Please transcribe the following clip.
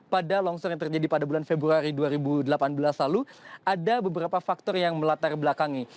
pada longsor yang terjadi pada bulan februari dua ribu delapan belas lalu ada beberapa faktor yang melatar belakangi